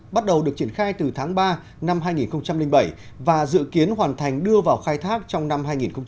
bắt đầu được triển khai từ tháng ba năm hai nghìn bảy và dự kiến hoàn thành đưa vào khai thác trong năm hai nghìn một mươi chín